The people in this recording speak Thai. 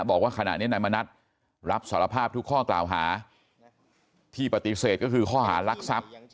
บอกว่าขณะนี้นายมณัฐรับสารภาพทุกข้อกล่าวหาที่ปฏิเสธก็คือข้อหารักทรัพย์